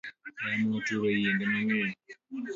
Yamo oturo yiende mangeny